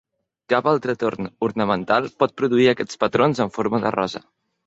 Cap altre torn ornamental pot produir aquests patrons en forma de rosa.